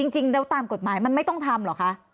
จริงแล้วตามกฎหมายมันไม่ต้องทำเหรอคะ